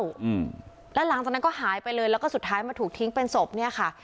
อืมแล้วหลังจากนั้นก็หายไปเลยแล้วก็สุดท้ายมาถูกทิ้งเป็นศพเนี้ยค่ะ